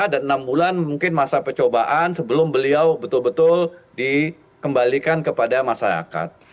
dan enam bulan mungkin masa percobaan sebelum beliau betul betul dikembalikan kepada masyarakat